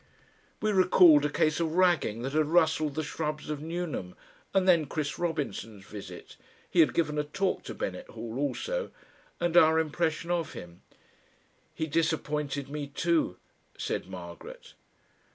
We recalled a case of ragging that had rustled the shrubs of Newnham, and then Chris Robinson's visit he had given a talk to Bennett Hall also and our impression of him. "He disappointed me, too," said Margaret.